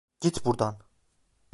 Git buradan!